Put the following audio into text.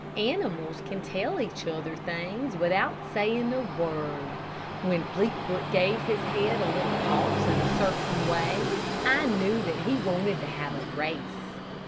Animals can tell each other things without saying a word. When Fleetfoot gave his head a little toss in a certain way, I knew that he wanted to have a race.